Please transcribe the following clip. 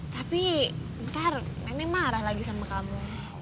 tapi ntar nenek marah lagi sama kamu